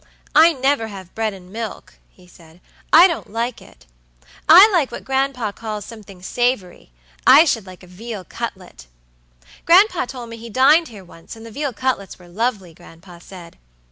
"I never have bread and milk," he said, "I don't like it. I like what gran'pa calls something savory. I should like a veal cutlet. Gran'pa told me he dined here once, and the veal cutlets were lovely, gran'pa said.